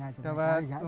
ya senang sekali